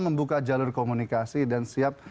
membuka jalur komunikasi dan siap